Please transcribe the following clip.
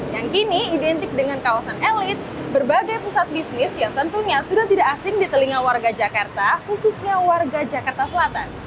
yang kini identik dengan kawasan elit berbagai pusat bisnis yang tentunya sudah tidak asing di telinga warga jakarta khususnya warga jakarta selatan